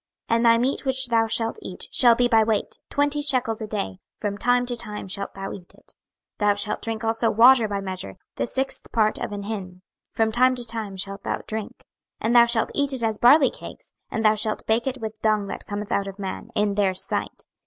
26:004:010 And thy meat which thou shalt eat shall be by weight, twenty shekels a day: from time to time shalt thou eat it. 26:004:011 Thou shalt drink also water by measure, the sixth part of an hin: from time to time shalt thou drink. 26:004:012 And thou shalt eat it as barley cakes, and thou shalt bake it with dung that cometh out of man, in their sight.